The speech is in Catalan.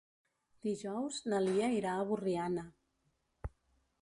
Dijous na Lia irà a Borriana.